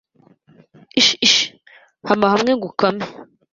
Ishi, ishi hama hamwe ngukame!